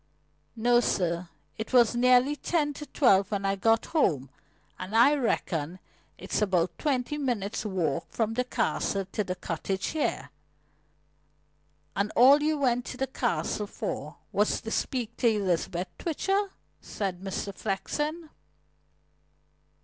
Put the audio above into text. "No, sir. It was nearly ten to twelve when I got home, and I reckon it's about twenty minutes' walk from the Castle to the cottage here." "And all you went to the Castle for was to speak to Elizabeth Twitcher?" said Mr. Flexen.